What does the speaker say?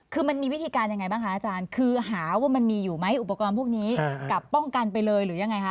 คือมันมีวิธีการยังไงบ้างคะอาจารย์คือหาว่ามันมีอยู่ไหมอุปกรณ์พวกนี้กลับป้องกันไปเลยหรือยังไงคะ